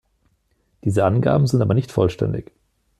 Diese Angaben sind aber nicht vollständig.